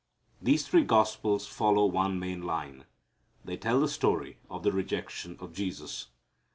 These three gospels follow one main line; they tell the story of the rejection of Jesus.